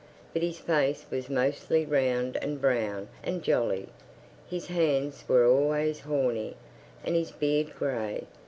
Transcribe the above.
But his face was mostly round and brown and jolly, his hands were always horny, and his beard grey.